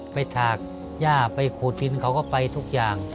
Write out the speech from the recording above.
ถากย่าไปขูดฟินเขาก็ไปทุกอย่าง